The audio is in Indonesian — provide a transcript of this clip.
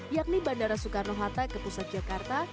yakni bandara soekarno hatta ke pusat jakarta